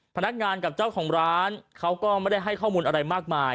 พนักงานกับเจ้าของร้านเขาก็ไม่ได้ให้ข้อมูลอะไรมากมาย